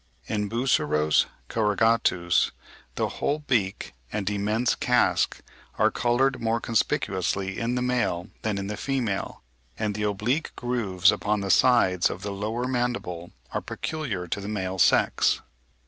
In Buceros corrugatus, the whole beak and immense casque are coloured more conspicuously in the male than in the female; and "the oblique grooves upon the sides of the lower mandible are peculiar to the male sex."